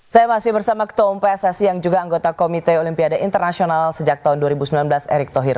saya masih bersama ketua umum pssi yang juga anggota komite olimpiade internasional sejak tahun dua ribu sembilan belas erick thohir